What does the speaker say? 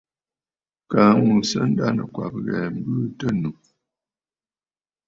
Kaa ŋù à sɨ a ndanɨ̀kwabə̀ ghɛ̀ɛ̀ m̀bɨɨ tɨ ànnù.